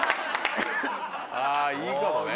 ああいいかもね。